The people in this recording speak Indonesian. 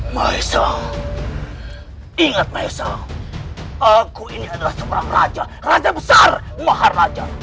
maesha ingat maesha aku ini adalah seorang raja raja besar maharaja